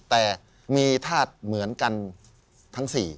แต่มีทาสเหมือนกันทั้งสี่